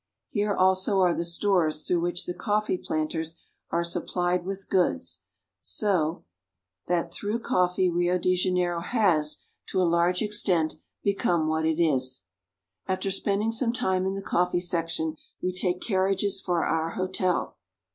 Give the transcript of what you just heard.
Here also are the stores through which the coffee planters are supplied with goods, so that through 2/4 BRAZIL. coffee Rio de Janeiro has to a large extent become what it is. After spending some time in the coffee section we take carriages for our hotel.